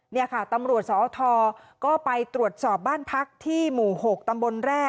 นี่ค่ะตำรวจสอทก็ไปตรวจสอบบ้านพักที่หมู่๖ตำบลแร่